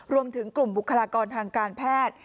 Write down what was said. รวมถึงกลุ่มบุคลากรทางการแพทย์